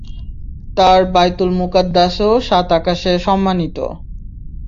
তার বায়তুল মুকাদ্দাসও সাত আকাশে সম্মানিত।